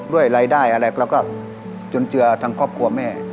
ด้วยรายได้อะไรเราก็จนเจือทางครอบครัวแม่